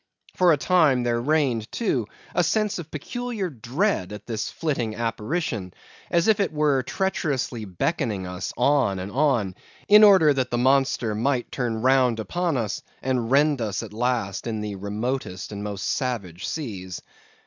For a time, there reigned, too, a sense of peculiar dread at this flitting apparition, as if it were treacherously beckoning us on and on, in order that the monster might turn round upon us, and rend us at last in the remotest and most savage seas.